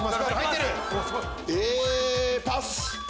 えパス！